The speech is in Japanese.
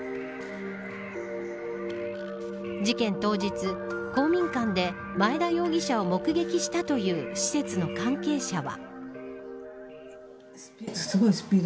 事件当日、公民館で前田容疑者を目撃したという施設の関係者は。